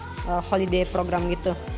itu holiday program gitu